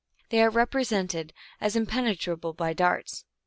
They are represented as impenetrable by darts."